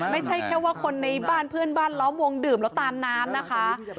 ไม่ใช่แค่ว่าคนในบ้านเพื่อนบ้านล้อมวงดื่มแล้วตามน้ำนะคะ